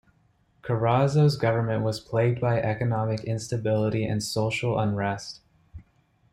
Carazo's government was plagued by economic instability and social unrest.